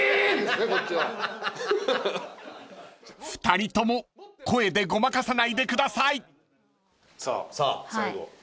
［２人とも声でごまかさないでください］さあ最後。